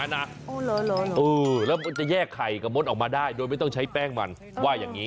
แล้วมันจะแยกไข่กับมดออกมาได้โดยไม่ต้องใช้แป้งมันว่าอย่างนี้